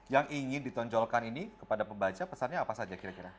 yang ingin ditonjolkan ini kepada pembaca pesannya apa saja kira kira